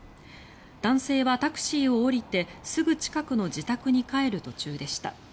男性はタクシーを降りてすぐ近くの自宅に帰る途中でした。